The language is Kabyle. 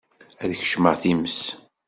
Ad kecmeɣ times.